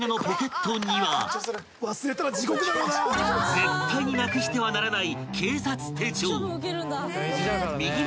［絶対になくしてはならない］